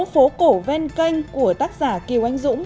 phố cổ ven kênh của tác giả kiều anh dũng